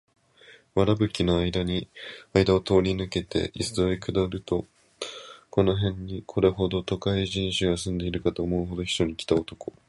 古い燻（くす）ぶり返った藁葺（わらぶき）の間あいだを通り抜けて磯（いそ）へ下りると、この辺にこれほどの都会人種が住んでいるかと思うほど、避暑に来た男や女で砂の上が動いていた。